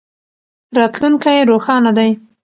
راتلونکی روښانه دی.